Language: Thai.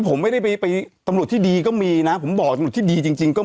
ผมไม่ได้ไปตำรวจที่ดีก็มีนะผมบอกตำรวจที่ดีจริงก็มี